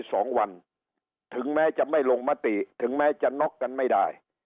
สองวันถึงแม้จะไม่ลงมติถึงแม้จะน็อกกันไม่ได้